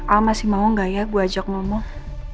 al masih mau gak ya gue ajak ngomong